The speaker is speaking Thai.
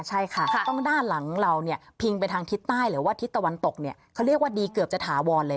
ใช่ค่ะต้องด้านหลังเราเนี่ยพิงไปทางทิศใต้หรือว่าทิศตะวันตกเนี่ยเขาเรียกว่าดีเกือบจะถาวรเลย